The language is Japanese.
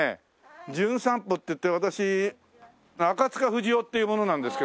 『じゅん散歩』っていって私赤塚不二夫っていう者なんですけどもね。